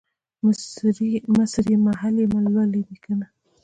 مصریم ، محل یمه ، لولی مې کنه